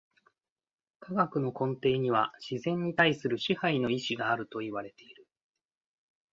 科学の根底には自然に対する支配の意志があるといわれている。